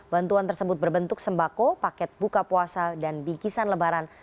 bantuan tersebut berbentuk sembako paket buka puasa dan bikisan lebaran